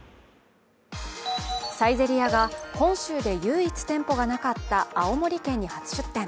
サイゼリヤが本州で唯一店舗がなかった青森県に初出店。